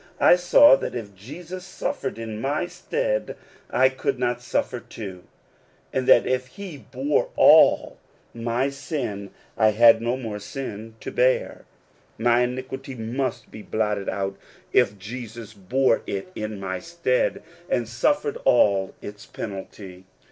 I saw that if Jesus suffered in my stead, I could not suffer too ; and that if he bore all my 78 According to the Promise, sin, I had no more sin to bear. My iniquity mU^ be blotted out if Jesus bore it in my stead, al^ suffered all its penalty.